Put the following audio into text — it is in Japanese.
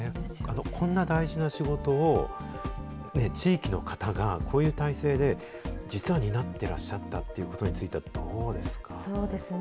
こんな大事な仕事を、地域の方がこういう体制で、実は担ってらっしゃったということについては、どうですか。